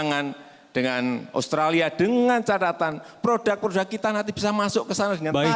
dengan pendatangan dengan australia dengan catatan produk produk kita nanti bisa masuk ke sana dengan tarif yang lebih rendah